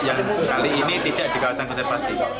yang kali ini tidak di kawasan konservasi